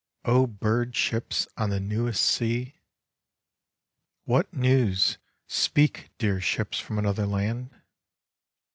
(O bird ships on the newest sea !)." What news, speak, dear ships from another land